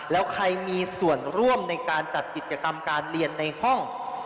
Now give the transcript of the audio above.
แล้วใครมีส่วนร่วมในการจัดกิจกรรมการเรียนในห้อง